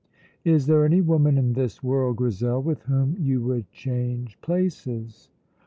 "Is there any woman in the world, Grizel, with whom you would change places?"